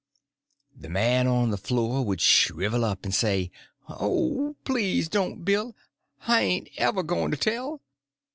The man on the floor would shrivel up and say, "Oh, please don't, Bill; I hain't ever goin' to tell."